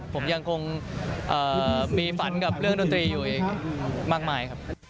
ผมยังคงมีฝันกับเรื่องดนตรีอยู่อีกมากมายครับ